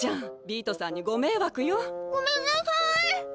ビートさんにごめいわくよ。ごめんなさい！